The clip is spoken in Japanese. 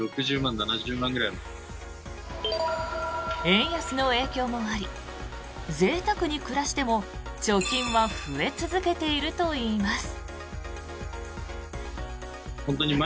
円安の影響もありぜいたくに暮らしても貯金は増え続けているといいます。